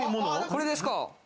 これですか？